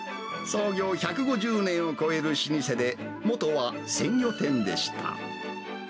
創業１５０年を超える老舗で、元は鮮魚店でした。